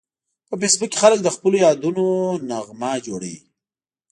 په فېسبوک کې خلک د خپلو یادونو نغمه جوړوي